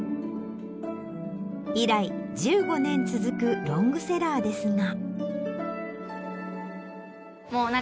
以来１５年続くロングセラーですが。